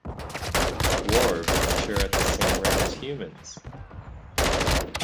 Dwarves mature at the same rate as humans.